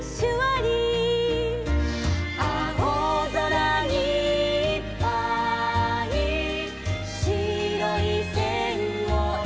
「あおぞらにいっぱいしろいせんをえがいて」